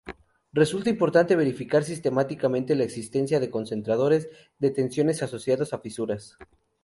Resulta importante verificar sistemáticamente la existencia de concentradores de tensiones asociados a fisuras.